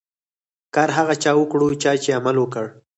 کار هغه چا وکړو، چا چي عمل وکړ.